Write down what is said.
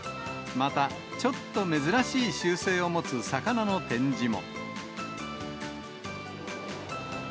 また、ちょっと珍しい習性を持つ魚の展示も。